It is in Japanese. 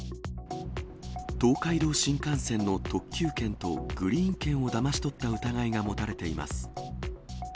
東海道新幹線の特急券とグリーン券をだまし取った疑いが持たれています。